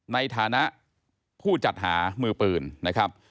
ในฐานะผู้จัดหามือปืนนะครับ